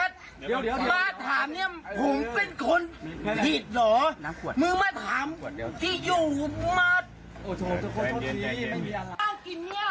โอ้โธ่ทุกคนขอโทษทีไม่ได้อย่างไร